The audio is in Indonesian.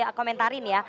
kita komentarin ya